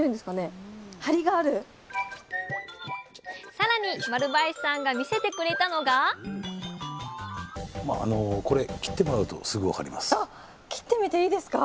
更に丸林さんが見せてくれたのがあっ切ってみていいですか？